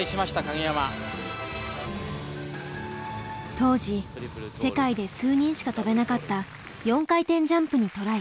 当時世界で数人しか跳べなかった４回転ジャンプにトライ。